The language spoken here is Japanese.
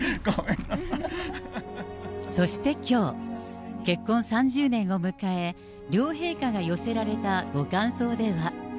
そしてきょう、結婚３０年を迎え、両陛下が寄せられたご感想では。